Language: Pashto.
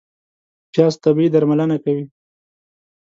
پیاز طبیعي درملنه کوي